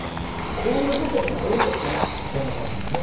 こういうこともやるんですね。